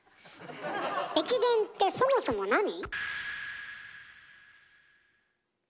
駅伝ってそもそもなに？